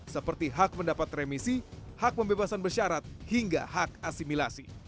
seperti hak mendapat remisi hak pembebasan bersyarat hingga hak asimilasi